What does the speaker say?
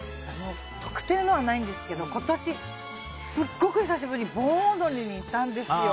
特定のはないんですけど今年、すごく久しぶりに盆踊りに行ったんですよ。